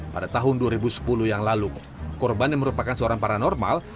pada tahun dua ribu sepuluh yang lalu korban yang merupakan seorang paranormal